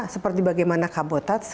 seperti bagaimana cabotage